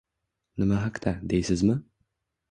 Nima haqda, deysizmi?